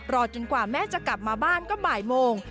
จนกว่าแม่จะกลับมาบ้านก็บ่ายโมง